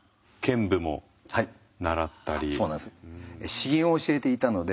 詩吟を教えていたので。